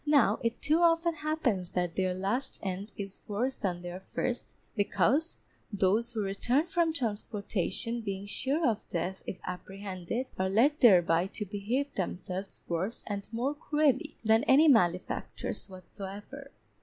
Now it too often happens that their last end is worse than their first, because those who return from transportation being sure of death if apprehended, are led thereby to behave themselves worse and more cruelly than any malefactors, whatsoever.